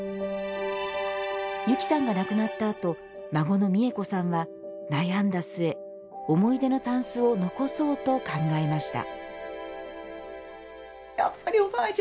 ゆきさんが亡くなったあと孫の美衣子さんは悩んだ末思い出のたんすを残そうと考えました。